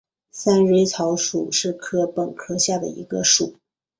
三蕊草属是禾本科下的一个属。